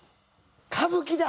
歌舞伎だ！